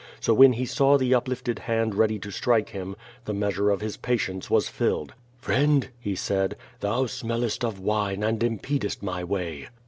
So when he saw the uplifted hand ready to strike him, the measure of his patience was filled. "Friend,*^ he said, "thou smellest of wine and impedest my way."